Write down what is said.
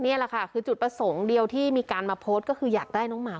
นี่แหละค่ะคือจุดประสงค์เดียวที่มีการมาโพสต์ก็คืออยากได้น้องหมา